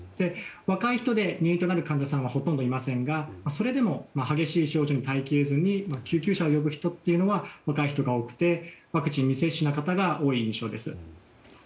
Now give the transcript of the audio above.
若い人で、入院となる患者さんはほとんどいませんがそれでも激しい症状に耐え切れずに救急車を呼ぶ人というのは若い人が多くてワクチン未接種の方が多い印象です。